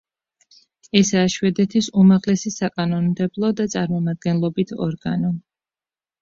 ესაა შვედეთის უმაღლესი საკანონმდებლო და წარმომადგენლობით ორგანო.